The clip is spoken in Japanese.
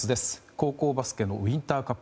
高校バスケのウインターカップ。